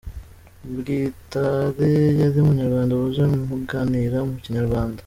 Bwitare : Yari umunyarwanda wuzuye, muganira mu kinyarwanda.